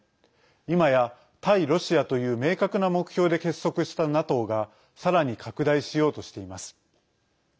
いまや対ロシアという明確な目標で結束したＮＡＴＯがさらに拡大しようとしています。